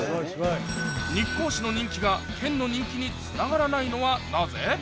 日光市の人気が県の人気につながらないのはなぜ？